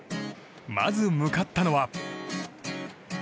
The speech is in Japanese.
まず向かったのは。